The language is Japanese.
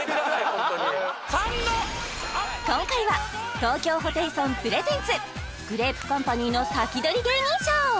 ホントに今回は東京ホテイソンプレゼンツグレープカンパニーのサキドリ芸人ＳＨＯＷ